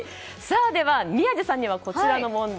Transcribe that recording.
では、宮司さんにはこちらの問題。